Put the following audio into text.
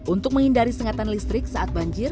untuk menghindari sengatan listrik saat banjir